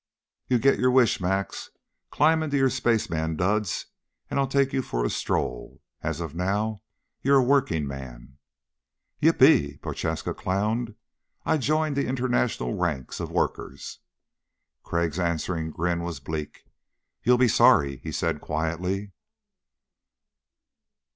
"You get your wish, Max. Climb into your spaceman duds and I'll take you for a stroll. As of now you're a working man." "Yippee," Prochaska clowned, "I've joined the international ranks of workers." Crag's answering grin was bleak. "You'll be sorry," he said quietly.